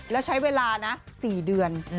แล้วใช้เวลานะ๔เดือน